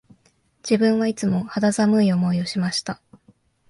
自分はいつも肌寒い思いをしました